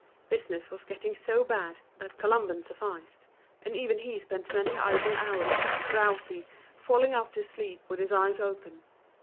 Business was getting so bad that Colomban sufficed; and even he spent many idle hours, drowsy, falling off to sleep with his eyes open.